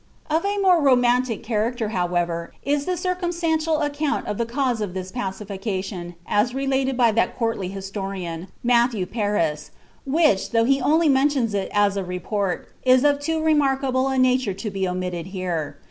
Of a more romantic character, however, is the circumstantial account of the cause of this pacification, as related by that courtly historian, Mattliew Paris, which, though he only mentions it as a report, is of too remariuble a nature to be omitted here.